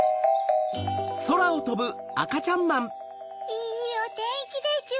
いいおてんきでちゅ。